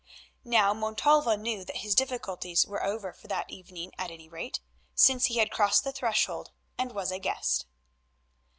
Now Montalvo knew that his difficulties were over for that evening at any rate, since he had crossed the threshold and was a guest.